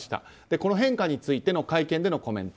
この変化についての会見でのコメント。